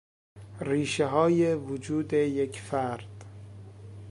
ریشههای وجود یک فرد